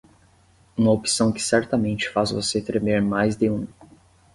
Uma opção que certamente faz você tremer mais de um.